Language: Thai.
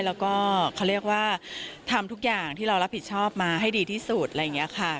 แล้วก็เขาเรียกว่าทำทุกอย่างที่เรารับผิดชอบมาให้ดีที่สุดอะไรอย่างนี้ค่ะ